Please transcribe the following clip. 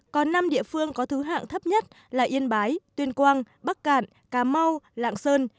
có năm địa phương có thứ hạng thấp nhất là yên bái tuyên quang bắc cạn cà mau lạng sơn